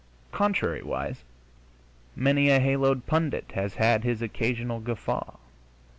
Contrariwise, many a haloed pundit has had his occasional guffaw.